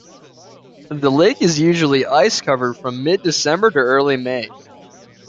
The lake is usually ice-covered from mid-December to early May.